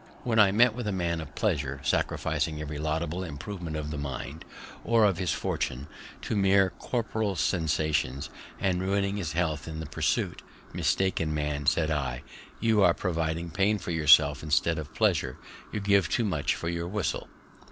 When I met with a man of pleasure, sacrificing every laudable improvement of the mind, or of his fortune, to mere corporeal sensations, and ruining his health in their pursuit, Mistaken man, said I, you are providing pain for yourself, instead of pleasure; you give too much for your whistle.